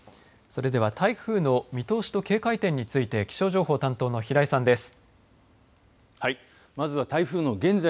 それでは、台風の見通しと警戒点について気象情報担当の平井さんです。